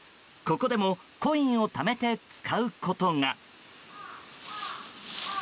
ここでもコインをためて使うことが。